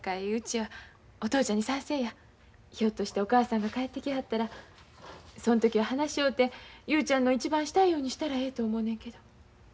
ひょっとしてお母さんが帰ってきはったらそん時は話し合うて雄ちゃんの一番したいようにしたらええと思うねんけど。